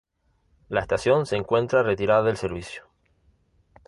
La estación se encuentra retirada del servicio.